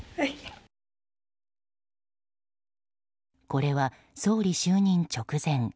これは総理就任直前。